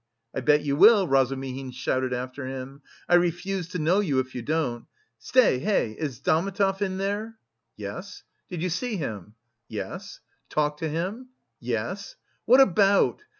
"I bet you will," Razumihin shouted after him. "I refuse to know you if you don't! Stay, hey, is Zametov in there?" "Yes." "Did you see him?" "Yes." "Talked to him?" "Yes." "What about?